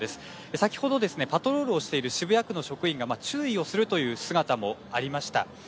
先ほど、パトロールをしている渋谷区の職員が注意する姿もありました。